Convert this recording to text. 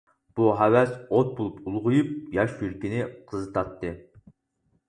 بۇ ھەۋەس ئوت بولۇپ ئۇلغىيىپ ياش يۈرىكىنى قىزىتاتتى.